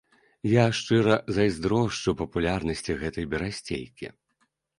Я шчыра зайздрошчу папулярнасці гэтай берасцейкі!